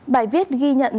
bài viết ghi nhận